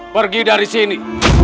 pergi dari sini